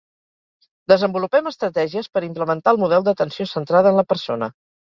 Desenvolupem estratègies per implementar el model d'atenció centrada en la persona.